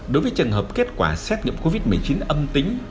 đối với trường hợp kết quả xét nghiệm covid một mươi chín âm tính